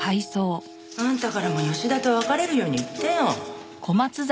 あんたからも吉田と別れるように言ってよ。